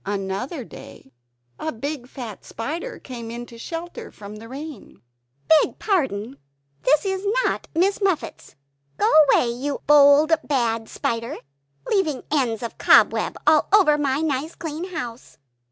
Another day, a big fat spider came in to shelter from the rain. "Beg pardon, is this not Miss Muffet's?" "Go away, you bold bad spider! Leaving ends of cobweb all over my nice clean house!"